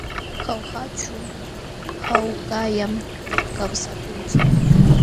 Jaujaćhu hawkallam kawsakunchik.